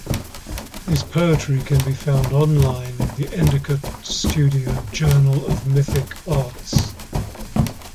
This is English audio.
His poetry can be found online in the Endicott Studio "Journal of Mythic Arts".